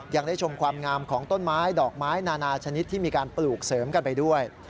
ยังได้ชมความงามของต้นไม้ดอกไม้นานาชนิดที่มีการปลูกเสริมกันไปด้วย